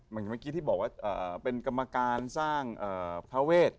แบบที่เวลาเป็นกำกันสร้างพระเวศ